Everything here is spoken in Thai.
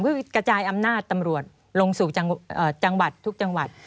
เพื่อกระจายอำนาจตำรวจลงสู่จังหวัดทุกจังหวัด